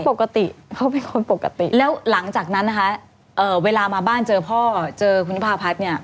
ปกติเขาเป็นคนปกติ